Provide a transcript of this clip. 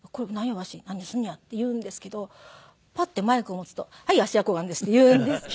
わし何すんねや？」って言うんですけどパッてマイクを持つと「はい。芦屋小雁です」って言うんです。